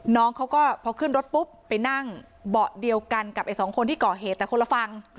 น้องเขาก็พอขึ้นรถปุ๊บไปนั่งเบาะเดียวกันกับไอ้สองคนที่ก่อเหตุแต่คนละฝั่ง